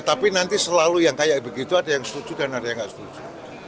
tapi nanti selalu yang kayak begitu ada yang setuju dan ada yang nggak setuju